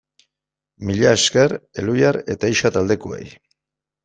Mila esker Elhuyar eta Ixa taldekoei!